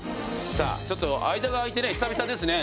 さあちょっと間が空いて久々ですね。